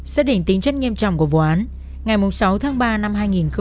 xác định tính chất nghiêm trọng của vụ án ngày sáu tháng ba năm hai nghìn hai mươi